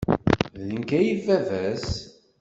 D nekk ay d baba-s?